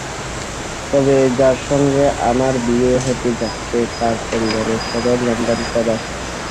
তবে যার সঙ্গে আমার বিয়ে হতে যাচ্ছে, তার পরিবারের সবাই লন্ডনপ্রবাসী।